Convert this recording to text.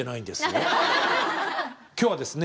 今日はですね